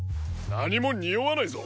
なにもにおわないぞ。